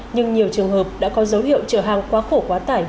nhưng nhiều trường hợp đã có dấu hiệu chở hàng quá khổ quá tải